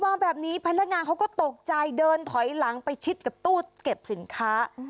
มาแบบนี้พนักงานเขาก็ตกใจเดินถอยหลังไปชิดกับตู้เก็บสินค้า